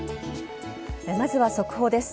まずは速報です。